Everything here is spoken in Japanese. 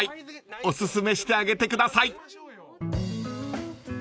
［おすすめしてあげてください］